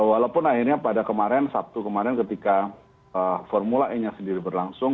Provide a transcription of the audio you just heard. walaupun akhirnya pada kemarin sabtu kemarin ketika formula e nya sendiri berlangsung